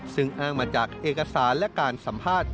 ซึ่งอ้างมาจากเอกสารและการสัมภาษณ์